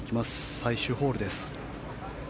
最終ホールです。